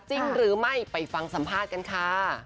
จริงหรือไม่ไปฟังสัมภาษณ์กันค่ะ